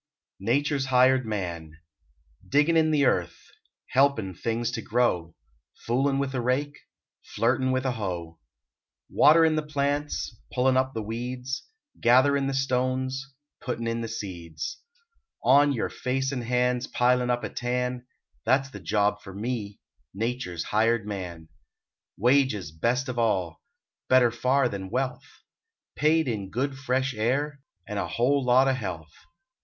NATURE S HIRED MAN DIGGIN in the earth, Helpin things to grow, Foolin with a rake, Flirtin with a hoe ; Waterin the plants, Pullin up the weeds, Gatherin the stones, Puttin in the seeds; On your face and hands Pilin up a tan That s the job for me, Nature s hired man! Wages best of all. Better far than wealth. Paid in good fresh air, And a lot o health.